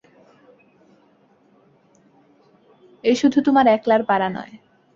এ শুধু তোমার একলার পারা নয়।